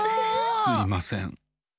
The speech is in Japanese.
すいません。